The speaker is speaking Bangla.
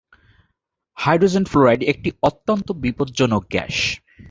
হাইড্রোজেন ফ্লোরাইড একটি অত্যন্ত বিপজ্জনক গ্যাস।